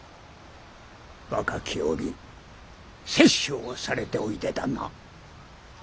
若き折殺生をされておいでだな。